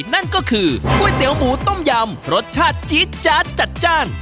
นั่นก็คือก๋วยเตี๋ยวหมูต้มยำรสชาติจี๊ดจาดจัดจ้าน